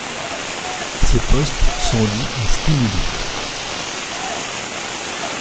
Ces postes sont dits à stimuli.